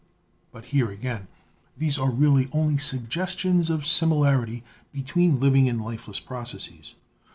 But here again these are really only suggestions of similarity between living and lifeless processes.